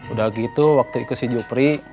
udah gitu waktu ikut si jupri